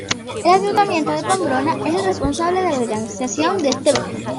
El Ayuntamiento de Pamplona es el responsable de la organización de este evento.